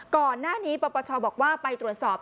ก่อนหน้านี้ปปชบอกว่าไปตรวจสอบ